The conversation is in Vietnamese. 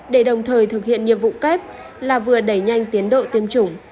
để đồng thời thực hiện nhiệm vụ kép là vừa đẩy nhanh tiến độ tiêm chủng